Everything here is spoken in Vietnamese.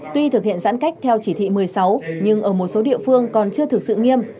tuy thực hiện giãn cách theo chỉ thị một mươi sáu nhưng ở một số địa phương còn chưa thực sự nghiêm